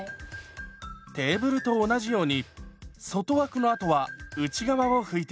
テーブルと同じように外枠のあとは内側を拭いていきます。